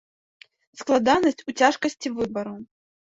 Складанасць у цяжкасці выбару.